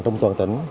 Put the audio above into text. trong toàn tỉnh